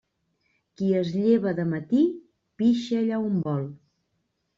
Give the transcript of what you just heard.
Qui es lleva de matí, pixa allà on vol.